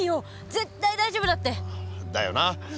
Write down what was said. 絶対大丈夫だって！だよな。